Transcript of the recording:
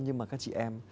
nhưng mà các chị em